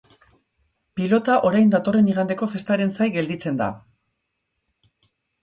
Pilota orain datorren igandeko festaren zai gelditzen da.